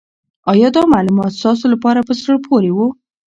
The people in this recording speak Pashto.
آیا دا معلومات ستاسو لپاره په زړه پورې وو؟